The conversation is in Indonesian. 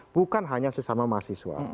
bukan hanya sesama mahasiswa